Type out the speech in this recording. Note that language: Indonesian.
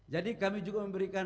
jadi kami juga memberikan